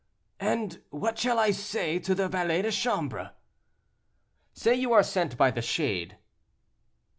"And what shall I say to the valet de chambre?" "Say you are sent by the shade."